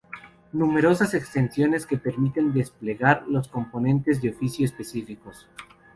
Numerosas extensiones que permiten desplegar los componentes de oficio específicos.